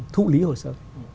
thụ lý hồ sơ